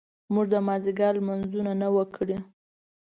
موږ د مازیګر لمونځونه نه وو کړي.